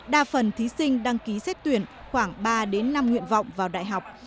đa phần thí sinh đăng ký xét tuyển khoảng ba năm nguyện vọng vào đại học